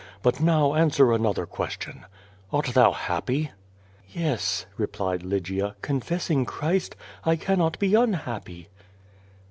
But now answer another question: "Art thou hanpy?" "Yes," replied Lygia, "confessing Christ, I cannot be un happy."